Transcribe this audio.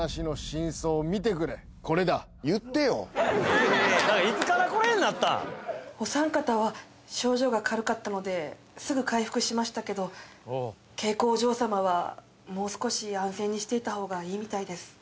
出るぞ全員が倒れてたからほうさあそれではこれだお三方は症状が軽かったのですぐ回復しましたけどケイコお嬢様はもう少し安静にしていたほうがいいみたいです